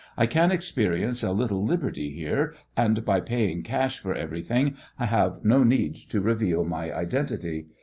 "I can experience a little liberty here, and by paying cash for everything I have no need to reveal my identity.